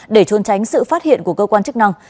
để trôn tránh sự phát hiện của cơ quan chức năng